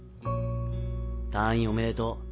「退院おめでとう